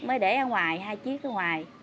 mới để ở ngoài hai chiếc ở ngoài